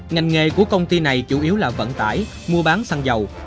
ngành nghề của công ty này chủ yếu là vận tải mua bán xăng dầu